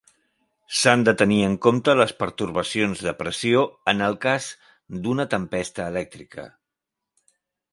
S'han de tenir en compte les pertorbacions de pressió en el cas d'una tempesta elèctrica.